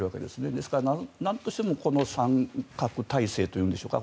ですから、なんとしてもこの三角体制というんですか